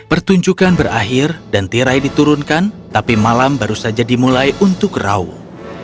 pertunjukan berakhir dan tirai diturunkan tapi malam baru saja dimulai untuk rawung